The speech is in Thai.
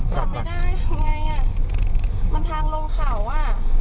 จอดไม่ได้มันทางลงเขาอ่ะ